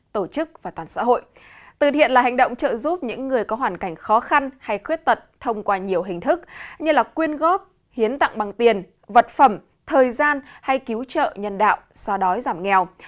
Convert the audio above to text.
từ thiện là hành động trợ giúp những người có hoàn cảnh khó khăn hay khuyết tật thông qua nhiều hình thức như quyên góp hiến tặng bằng tiền vật phẩm thời gian hay cứu trợ nhân đạo so đói giảm nghèo